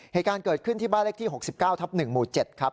เหตุการณ์เกิดขึ้นที่บ้านเลขที่๖๙ทับ๑หมู่๗ครับ